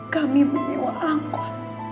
kami menewa angkot